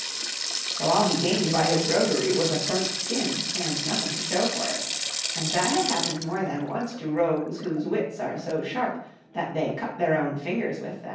So all he gained by his roguery was a bumt skin and nothing to show for it ; and that has happened more than once to rogues whose wits are so sharp that they cut their own fingers with them.